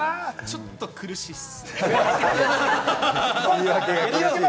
ちょっと苦しいっす。